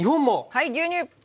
はい牛乳！